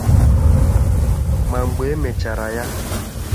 ma mgbe e mechara ya.